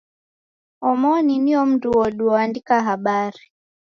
Omoni nio mndu odu oandika habari.